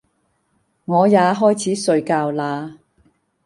我也開始睡覺啦！